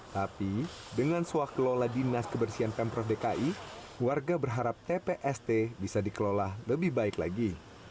tapi dengan swak kelola dinas kebersihan pemprov dki warga berharap tpst bisa dikelola lebih baik lagi